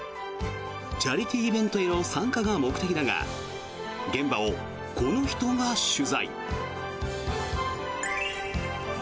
チャリティーイベントへの参加が目的だが現場をこの人が取材。